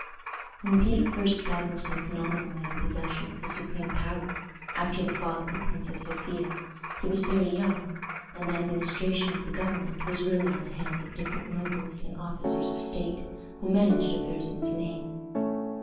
When Peter first found himself nominally in possession of the supreme power, after the fall of the Princess Sophia, he was very young, and the administration of the government was really in the hands of different nobles and officers of state, who managed affairs in his name.